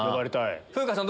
風花さん